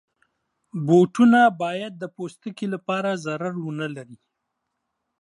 بوټونه باید د پوستکي لپاره ضرر ونه لري.